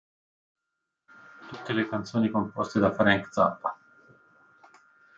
Tutte le canzoni composte da Frank Zappa.